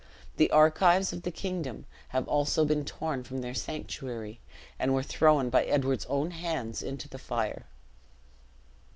The archives of the kingdom have also been torn from their sanctuary, and were thrown by Edward's own hands into the fire."